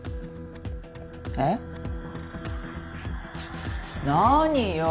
えっ？何よ？